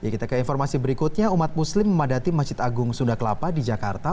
kita ke informasi berikutnya umat muslim memadati masjid agung sunda kelapa di jakarta